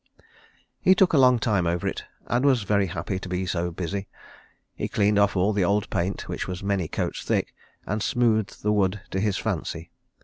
He took a long time over it, and was very happy to be so busy. He cleaned off all the old paint, which was many coats thick, and smoothed the wood to his fancy.